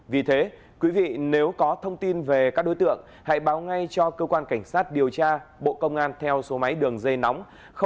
vì thế quý vị nếu có thông tin về các đối tượng hãy báo ngay cho cơ quan cảnh sát điều tra bộ công an theo số máy đường dây nóng sáu mươi chín